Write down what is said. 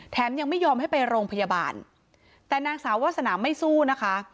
ยังไม่ยอมให้ไปโรงพยาบาลแต่นางสาววาสนาไม่สู้นะคะ